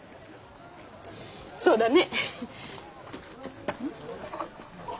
そうだね。